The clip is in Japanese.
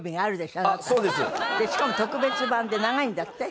しかも特別版で長いんだって？